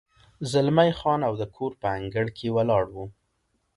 زلمی خان او د کور په انګړ کې ولاړ و.